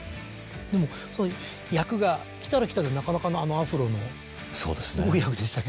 でもその役が来たら来たでなかなかのあのアフロのすごい役でしたけど。